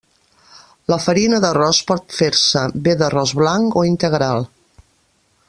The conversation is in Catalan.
La farina d'arròs pot fer-se bé d'arròs blanc o integral.